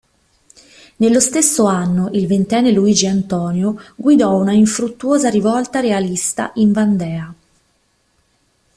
Nello stesso anno, il ventenne Luigi Antonio guidò una infruttuosa rivolta realista in Vandea.